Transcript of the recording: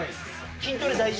筋トレ大事？